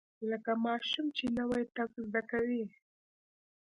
لکه ماشوم چې نوى تګ زده کوي.